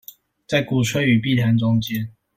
在鼓吹與避談中間